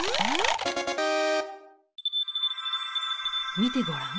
見てごらん。